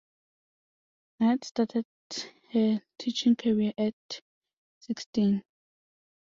Knight started her teaching career at sixteen.